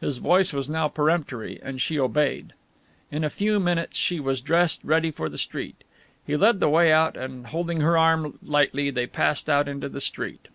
His voice was now peremptory, and she obeyed. In a few minutes she was dressed ready for the street. He led the way out and holding her arm lightly they passed out into the street.